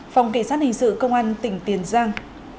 phòng kỳ sát hình sự công an tỉnh tiền giang